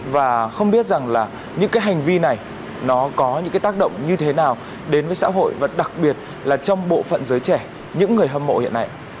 và không biết rằng là những cái hành vi này nó có những cái tác động như thế nào đến với xã hội và đặc biệt là trong bộ phận giới trẻ những người hâm mộ hiện nay